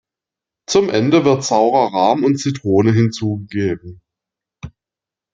Zum Ende wird saurer Rahm und Zitrone hinzugegeben.